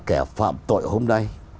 kẻ phạm tội hôm nay